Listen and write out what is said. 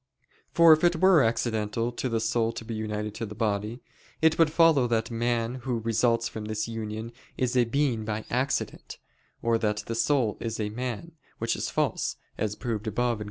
For if it were accidental to the soul to be united to the body, it would follow that man who results from this union is a being by accident; or that the soul is a man, which is false, as proved above (Q.